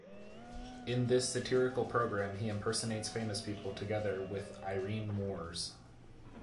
In this satirical program, he impersonates famous people, together with Irene Moors.